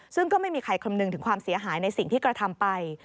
ซึ่งก็ไม่มีใครคำนึงถึงความเสียหายในสิ่งที่กระทำไป